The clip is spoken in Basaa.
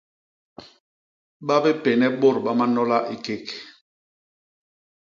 Ba bipénne bôt ba manola i kék.